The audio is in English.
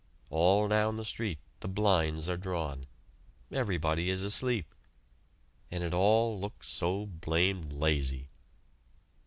All down the street the blinds are drawn. Everybody is asleep and it all looks so blamed lazy.